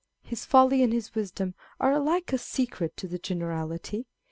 His folly and his wisdom are alike a secret to the generality.